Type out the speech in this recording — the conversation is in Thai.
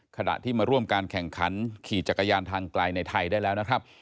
ขณะที่มาร่วมการแข่งขันขี่จักรยานทางไกลในไทยได้แล้วนะครับ